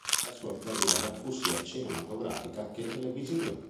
La sua carriera fu sia cinematografica che televisiva.